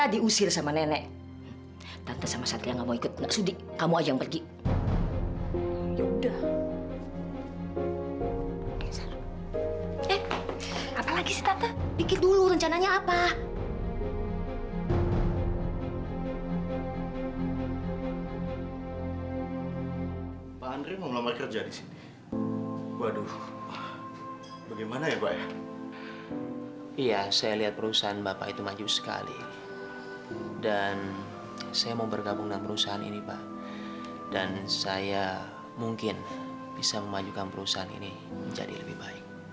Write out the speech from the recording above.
dan saya mungkin bisa memajukan perusahaan ini menjadi lebih baik